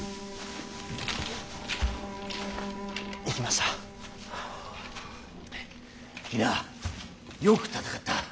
行きました。